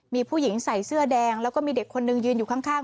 มีผู้หญิงใส่เสื้อแดงแล้วก็มีเด็กคนนึงยืนอยู่ข้าง